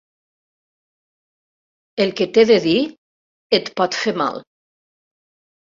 El que t'he de dir et pot fer mal.